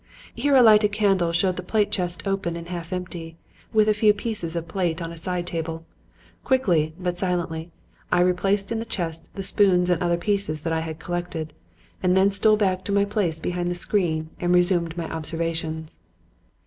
Here a lighted candle showed the plate chest open and half empty, with a few pieces of plate on a side table. Quickly but silently I replaced in the chest the spoons and other pieces that I had collected, and then stole back to my place behind the screen and resumed my observations.